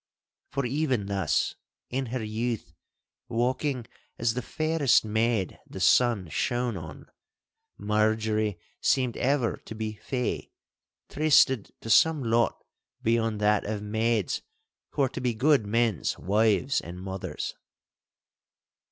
For even thus, in her youth, walking as the fairest maid the sun shone on, Marjorie seemed ever to be 'fey,' trysted to some lot beyond that of maids who are to be good men's wives and mothers.